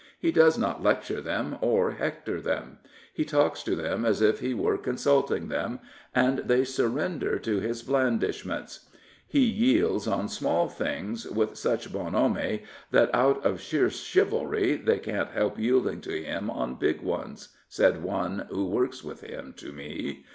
He does not lecture them or hector them. He talks to them as if he were consulting them, and they surrender to his blandishments. " He yields on small things with 286 Richard Burdon Haldane such bonhomie that out of sheer chivalry they can't help yielding to him on big ones/' said one who works with him to me.